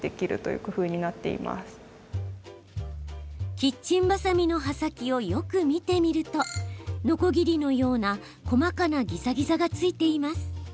キッチンバサミの刃先をよく見てみるとのこぎりのような細かなギザギザが付いています。